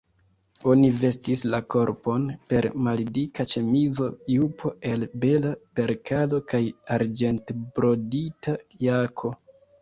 Oni vestis la korpon per maldika ĉemizo, jupo el bela perkalo kaj arĝentbrodita jako.